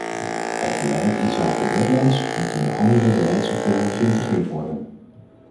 Het beleid inzake wetlands moet in de andere beleidssectoren geïntegreerd worden.